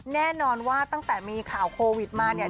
แน่นอนว่าตั้งแต่มีข่าวโควิดมาเนี่ย